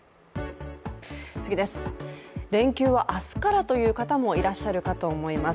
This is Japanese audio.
連休は明日からという方もいらっしゃるかと思います。